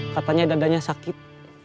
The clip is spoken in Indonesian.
katanya dadanya sakit